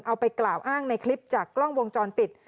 เอาไปกล่าวอ้างในคลิปจากกล้องวงจรปิด